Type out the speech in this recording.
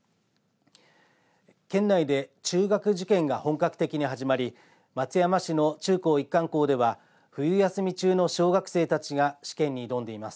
県内で中学受験が本格的に始まり松山市の中高一貫校では冬休み中の小学生たちが試験に挑んでいます。